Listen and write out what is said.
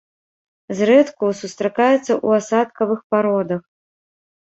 Зрэдку сустракаецца ў асадкавых пародах.